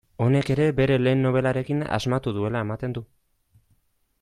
Honek ere bere lehen nobelarekin asmatu duela ematen du.